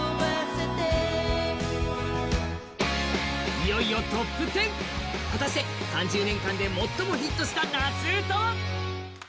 いよいよＴＯＰ１０、果たして３０年間で最もヒットした夏うたは？